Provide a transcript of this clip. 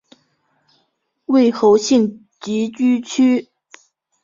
为侯姓集居区。